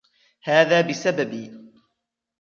هذا بسببي.